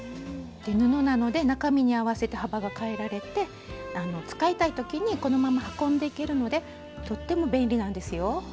布なので中身に合わせて幅が変えられて使いたい時にこのまま運んでいけるのでとっても便利なんですよ。